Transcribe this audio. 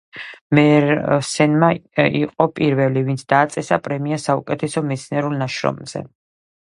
მერსენმა იყო პირველი, ვინც დააწესა პრემია საუკეთესო მეცნიერულ ნაშრომზე.